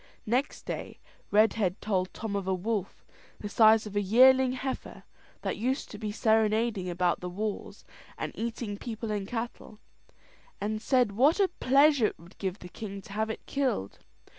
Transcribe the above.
Next day, Redhead told Tom of a wolf, the size of a yearling heifer, that used to be serenading about the walls, and eating people and cattle; and said what a pleasure it would give the king to have it killed.